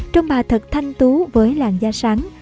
trong bà thật thanh tú với làn da sáng